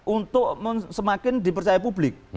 untuk semakin dipercaya publik